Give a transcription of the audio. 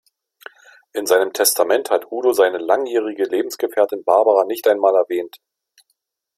In seinem Testament hat Udo seine langjährige Lebensgefährtin Barbara nicht einmal erwähnt.